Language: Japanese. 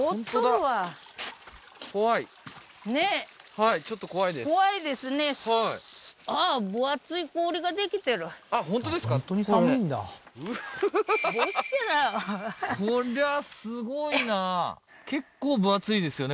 はっこりゃすごいな結構分厚いですよね